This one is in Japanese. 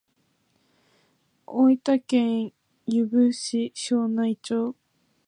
大分県由布市庄内町